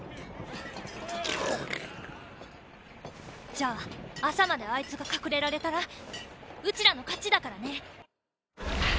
じゃあ朝まであいつが隠れられたらうちらの勝ちだからね。